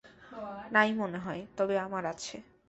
নাই মনে হয়, তবে আমার আছে।